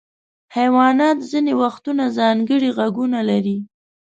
حیوانات ځینې وختونه ځانګړي غوږونه لري.